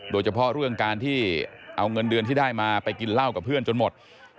โดยเฉพาะเรื่องการที่เอาเงินเดือนที่ได้มาไปกินเหล้ากับเพื่อนจนหมด